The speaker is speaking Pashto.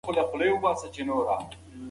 که واوره وي نو سیندونه نه وچیږي.